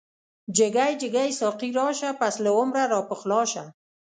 جگی جگی ساقی راشه، پس له عمره را پخلاشه